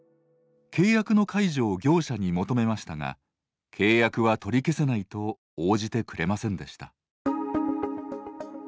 契約の解除を業者に求めましたが契約は取り消せないと応じてくれませんでした。